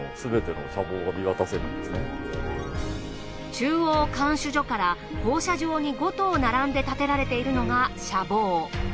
中央看守所から放射状に５棟並んで建てられているのが舎房。